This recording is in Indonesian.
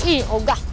ih oh gah